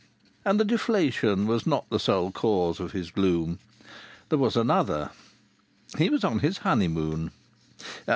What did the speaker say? And the deflation was not the sole cause of his gloom. There was another. He was on his honeymoon.